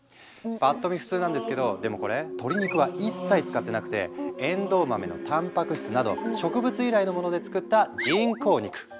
パッと見普通なんですけどでもこれ鶏肉は一切使ってなくてえんどう豆のたんぱく質など植物由来のもので作った人工肉。